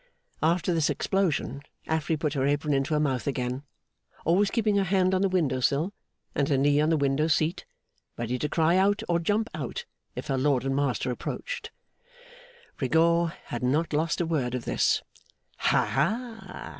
After this explosion Affery put her apron into her mouth again; always keeping her hand on the window sill and her knee on the window seat, ready to cry out or jump out if her lord and master approached. Rigaud had not lost a word of this. 'Haha!